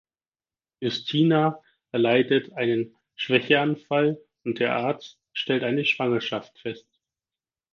Justina erleidet einen Schwächeanfall und der Arzt stellt eine Schwangerschaft fest.